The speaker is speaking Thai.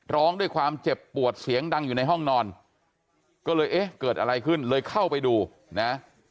ร้องด้วยความเจ็บปวดเสียงดังอยู่ในห้องนอนก็เลยเอ๊ะเกิดอะไรขึ้นเลยเข้าไปดูนะ